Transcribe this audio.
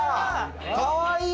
かわいい。